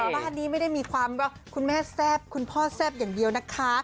บ้านนี้ไม่ได้มีความว่าคุณแม่แซ่บคุณพ่อแซ่บอย่างเดียวนะคะ